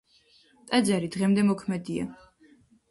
ტაძარი დღემდე მოქმედია.